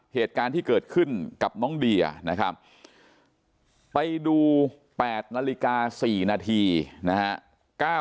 เหตุการณ์ที่เกิดขึ้นกับน้องเดียนะครับไปดู๘นาฬิกา๔นาทีนะฮะ